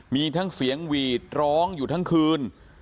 มีทั้งเสียงหวีดร้องอยู่ทั้งคืน